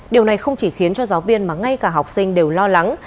điều này không chỉ khiến cho giáo viên mà ngay cả học sinh đều lo lắng